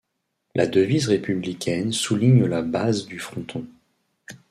La devise républicaine souligne la base du fronton.